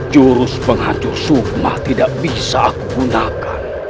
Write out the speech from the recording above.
jurus penghancur sukmah tidak bisa aku gunakan